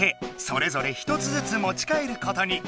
それぞれ１つずつもち帰ることに。